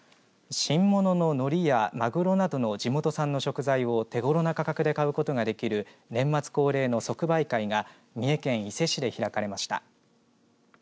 新ものの、のりやマグロなどの地元産の食材を手ごろな価格で買うことができる年末恒例の即売会が三重県伊勢市で開かれました。